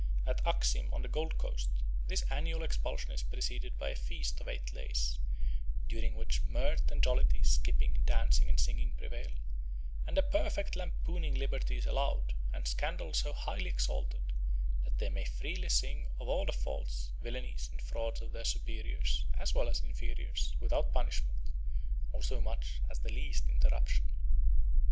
At Axim, on the Gold Coast, this annual expulsion is preceded by a feast of eight days, during which mirth and jollity, skipping, dancing, and singing prevail, and "a perfect lampooning liberty is allowed, and scandal so highly exalted, that they may freely sing of all the faults, villanies, and frauds of their superiors as well as inferiors, without punishment, or so much as the least interruption."